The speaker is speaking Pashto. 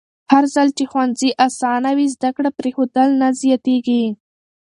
هرځل چې ښوونځي اسانه وي، زده کړه پرېښودل نه زیاتېږي.